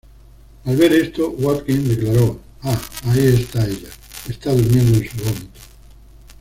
Al ver esto, Watkins declaró: "Ah, ahí está ella, está durmiendo en su vómito".